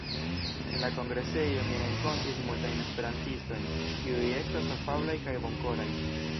En la kongresejo mi renkontis multajn esperantistojn, kiuj estas afablaj kaj bonkoraj.